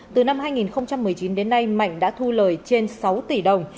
từ năm hai nghìn một mươi chín đến nay mạnh đã thu lời trên sáu tỷ đồng